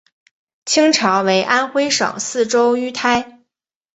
清朝为安徽省泗州盱眙。